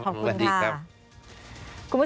ขอบคุณค่ะ